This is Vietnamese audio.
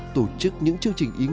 tổ chức những chương trình tập trung